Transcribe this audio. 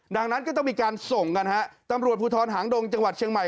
ดังนั้นก็ต้องมีการส่งกันฮะตำรวจภูทรหางดงจังหวัดเชียงใหม่